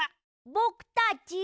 ぼくたち。